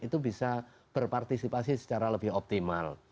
itu bisa berpartisipasi secara lebih optimal